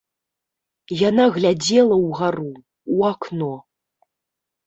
Яна глядзела ўгару, у акно.